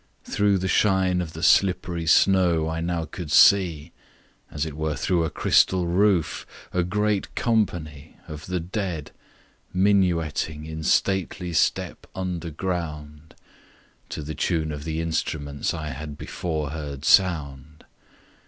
"Through the shine of the slippery snow I now could see, As it were through a crystal roof, a great company Of the dead minueting in stately step underground To the tune of the instruments I had before heard sound.